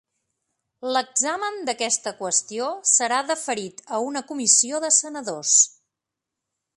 L'examen d'aquesta qüestió serà deferit a una comissió de senadors.